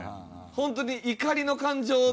本当に怒りの感情。